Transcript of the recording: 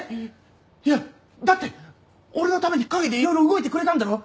いやだって俺のために陰でいろいろ動いてくれたんだろ？